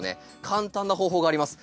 簡単な方法があります。